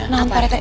iya pak rete